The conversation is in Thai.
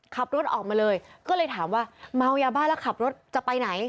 ขับรถออกมาเลยก็เลยถามว่าเมายาบ้าแล้วขับรถจะไปไหน